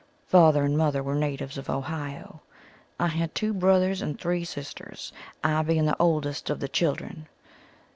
Father and mother were natives of Ohio. I had two brothers and three sisters, I being the oldest of the children.